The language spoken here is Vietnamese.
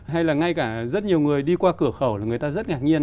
hay là ngay cả rất nhiều người đi qua cửa khẩu là người ta rất ngạc nhiên